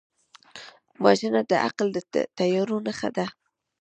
وژنه د عقل د تیارو نښه ده